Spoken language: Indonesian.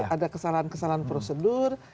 ada kesalahan kesalahan prosedur